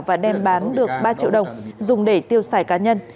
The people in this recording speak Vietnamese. và đem bán được ba triệu đồng dùng để tiêu xài cá nhân